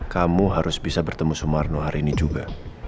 kamu harus bisa bertemu sumarno hari ini juga